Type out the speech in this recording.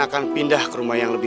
jawab dinda naungulan